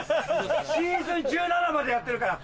シーズン１７までやってるから。